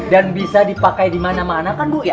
dan bisa dipakai dimana mana kan bu ya